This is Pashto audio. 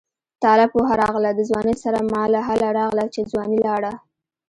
تاله پوهه راغله د ځوانۍ سره ماله هله راغله چې ځواني لاړه